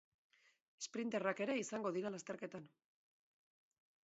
Esprinterrak ere izango dira lasterketan.